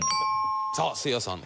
さあせいやさん。